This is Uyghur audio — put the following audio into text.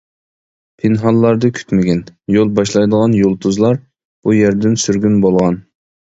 پىنھانلاردا كۈتمىگىن، يول باشلايدىغان يۇلتۇزلار بۇ يەردىن سۈرگۈن بولغان.